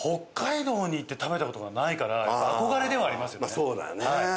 ああそうだよね。